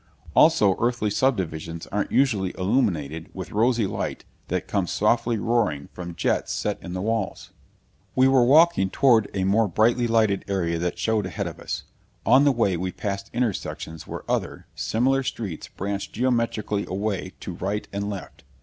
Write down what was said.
Also earthly subdivisions aren't usually illuminated with rosy light that comes softly roaring from jets set in the walls. We were walking toward a more brightly lighted area that showed ahead of us. On the way we passed intersections where other, similar streets branched geometrically away to right and left.